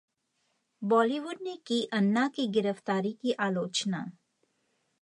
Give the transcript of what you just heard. बॉलीवुड ने की अन्ना की गिरफ्तारी की आलोचना